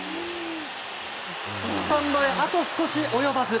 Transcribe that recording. スタンドへあと少し及ばず。